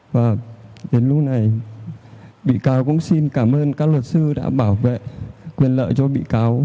và đến lúc này bị cáo cũng xin cảm ơn các luật sư đã bảo vệ quyền lợi cho bị cáo